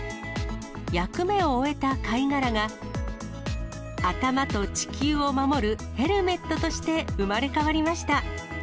役目を終えた貝殻が、頭と地球を守るヘルメットとして生まれ変わりました。